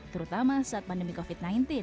terutama saat pandemi covid sembilan belas